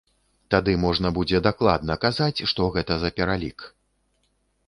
Тады можна будзе дакладна казаць, што гэта за пералік.